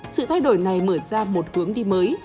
sự thay đổi này mở ra một hướng đi mới